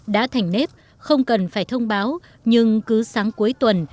đã thành nếp không cần phải thông báo nhưng cứ sáng cuối tuần